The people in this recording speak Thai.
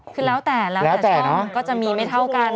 คือแล้วแต่แล้วแต่ช่องก็จะมีไม่เท่ากัน